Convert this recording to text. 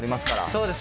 そうです。